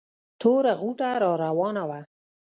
توره غوټه را راوانه وه.